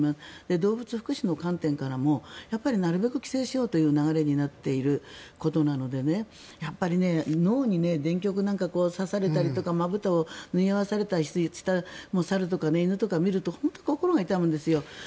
動物福祉の観点からもなるべく規制しようという流れになっていることなのでやっぱり脳に電極なんか刺されたりとかまぶたを縫い合わされた猿とか犬とかを見ると本当に心が痛むんですよ。